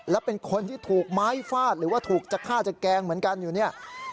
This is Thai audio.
และเป็นคนที่ถูกไม้ฟาดหรือว่าถูกจะฆ่าจะแกล้งเหมือนกันอยู่เนี่ย